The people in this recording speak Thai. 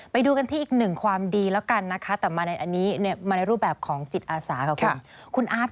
ไปดูกันที่อีกความดีแล้วกัน